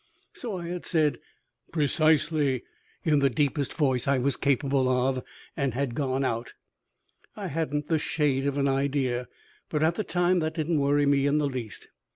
So I had said, "Precisely!" in the deepest voice I was capable of, and had gone out. I hadn't the shade of an idea, but at the time that didn't worry me in the least.